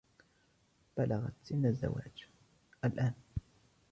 بلغت سنّ الزواج الآن.